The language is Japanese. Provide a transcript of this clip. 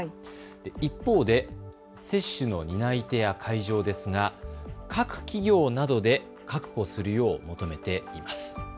一方で接種の担い手や会場ですが各企業などで確保するよう求めています。